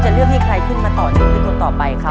จะเลือกให้ใครขึ้นมาต่อหนึ่งหรือต่อไปครับ